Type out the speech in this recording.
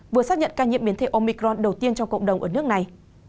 vừa xác nhận ca nhiễm biến thể omicron đầu tiên trong cộng đồng ở nước này